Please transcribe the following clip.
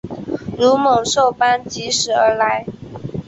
如猛兽般疾驶而来